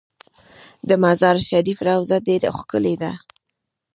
د مزار شریف روضه ډیره ښکلې ده